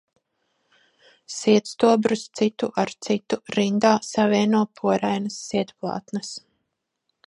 Sietstobrus citu ar citu rindā savieno porainas sietplātnes.